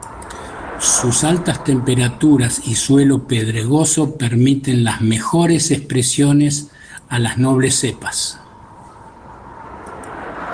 Sus altas temperaturas y suelo pedregoso permiten las mejores expresiones a las nobles cepas.